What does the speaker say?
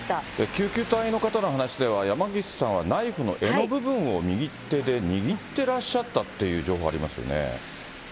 救急隊の方の話では、山岸さんはナイフの柄の部分を、右手で握ってらっしゃったという情報ありますよね。